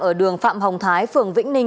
ở đường phạm hồng thái phường vĩnh ninh